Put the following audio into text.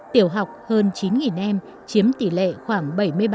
tiểu học hơn chín em chiếm tỷ lệ khoảng bảy mươi ba